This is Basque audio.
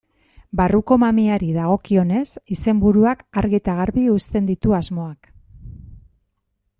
Barruko mamiari dagokionez, izenburuak argi eta garbi uzten ditu asmoak.